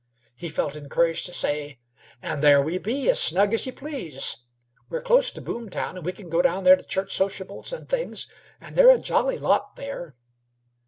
He felt encouraged to say: "An' there we be, as snug as y' please. We're close t' Boomtown, an' we can go down there to church sociables an' things, and they're a jolly lot there."